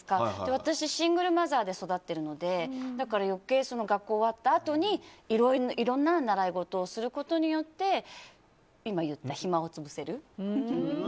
私シングルマザーで育ってるのでだから余計、学校終わったあとにいろいろな習い事をすることによって暇を潰せる。